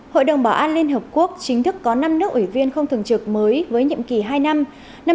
hội đồng bảo an liên hợp quốc chính thức có năm nước ủy viên không thường trực mới với nhiệm kỳ hai năm